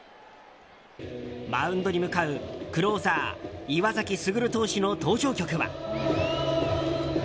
マウンドに向かうクローザー岩崎優投手の登場曲は。